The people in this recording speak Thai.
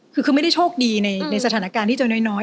คือคือไม่ได้โชคดีในสถานการณ์ที่เจอน้อย